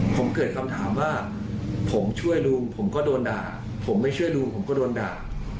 ผมเกิดคำถามว่าผมช่วยดูผมก็โดนด่าผมไม่ช่วยดูผมก็โดนด่า